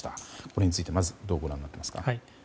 これについて、まずどうご覧になっていますか？